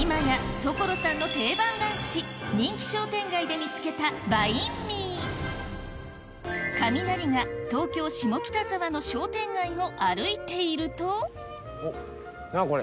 今や所さんの定番ランチ人気商店街で見つけたカミナリが東京・下北沢の商店街を歩いているとおっ何？